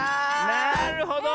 なるほど。